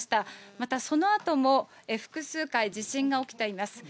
またそのあとも複数回、地震が起きています。